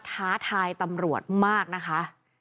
ท้าทายตำรวจมากนะคะ